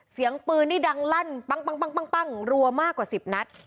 เสียงปืนนี่ดังลั่นปั้งรัวมากกว่า๑๐นัด